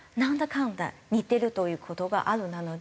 かんだ似てるという事があるので。